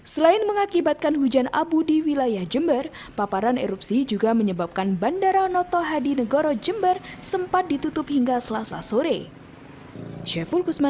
selain mengakibatkan hujan abu di wilayah jember paparan erupsi juga menyebabkan bandara noto hadi negoro jember sempat ditutup hingga selasa sore